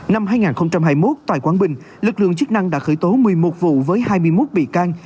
năm hai nghìn hai mươi một tại quảng bình lực lượng chức năng đã khởi tố một mươi một vụ với hai mươi một bị can